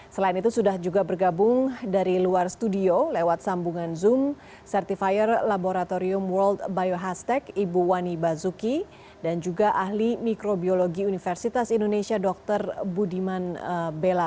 selain itu sudah juga bergabung dari luar studio lewat sambungan zoom certifire laboratorium world biohastech ibu wani basuki dan juga ahli mikrobiologi universitas indonesia dr budiman bella